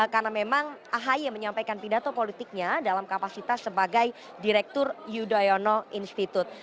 karena memang ahi menyampaikan pidato politiknya dalam kapasitas sebagai direktur yudhoyono institute